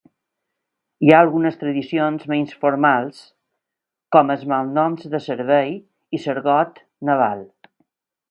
Hi ha algunes tradicions menys formals com els malnoms de servei i l'argot naval.